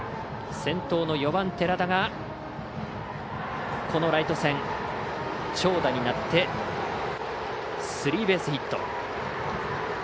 先頭の４番、寺田がこのライト線、長打になってスリーベースヒット。